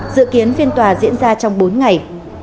dự kiến phiên tòa diễn ra trong bốn ngày